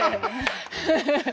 ハハハハッ！